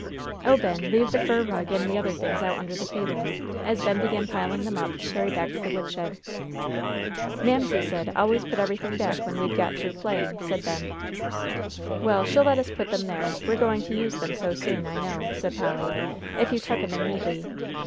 Oh, Ben, leave the fur rug and the other things out under the table," as Ben began piling them up to carry back to the woodshed. "Mamsie said, Always put everything back when we'd got through playing," said Ben. "Well, she'll let us put them there, we're going to use them so soon, I know," said Polly, "if you tuck 'em in neatly.